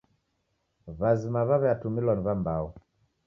W'azima w'aw'iatumilwa ni w'ambao.